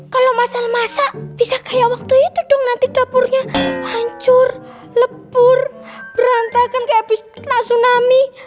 kalau mas al masak bisa kayak waktu itu dong nanti dapurnya hancur lebur berantakan kayak bisnis tsunami